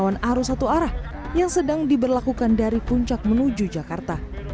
awan arus satu arah yang sedang diberlakukan dari puncak menuju jakarta